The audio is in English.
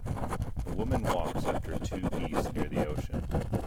A woman walks after two geese near the ocean.